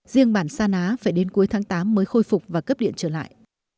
riêng bản sa ná phải đến cuối tháng tám mới khôi phục và cấp điện trở lại